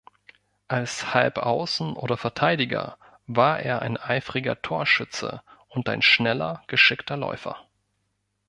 Als Halbaußen oder Verteidiger war er ein eifriger Torschütze und ein schneller, geschickter Läufer.